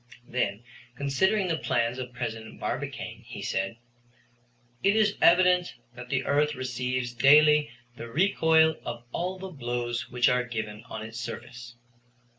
Then, considering the plans of President Barbicane, he said: "It is evident that the earth receives daily the recoil of all the blows which are given on its surface.